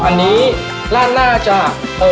อันนี้ราดหน้าจะ